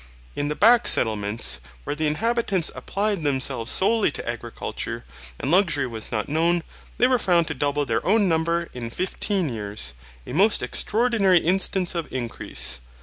In the back settlements, where the inhabitants applied themselves solely to agriculture, and luxury was not known, they were found to double their own number in fifteen years, a most extraordinary instance of increase.